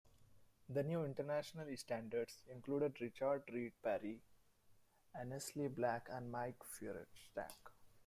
The New International Standards included Richard Reed Parry, Annesley Black and Mike Feuerstack.